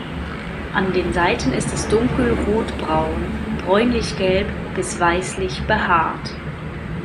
An den Seiten ist es dunkel rotbraun, bräunlichgelb bis weißlich behaart.